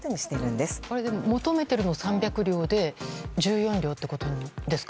でも、求めてるのは３００両で１４両ってことですか。